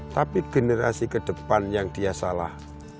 tapi generasi ke depan yang dia salah